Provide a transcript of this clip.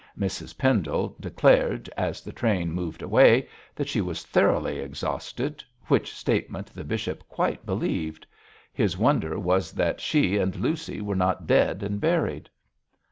Mrs Pendle declared, as the train moved away, that she was thoroughly exhausted, which statement the bishop quite believed. His wonder was that she and Lucy were not dead and buried.